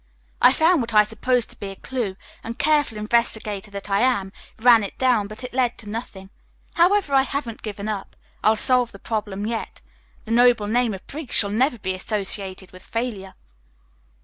"I found what I supposed to be a clue, and, careful investigator that I am, ran it down, but it led to nothing. However, I haven't given up. I'll solve the problem yet. The noble name of Briggs shall never be associated with failure."